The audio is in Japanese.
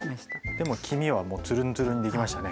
でも黄身はもうツルンツルンにできましたね。